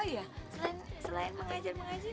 iya selain mengajar mengajar